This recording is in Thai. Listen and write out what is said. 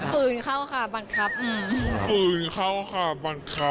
พื้นเข้าค่ะบังคับ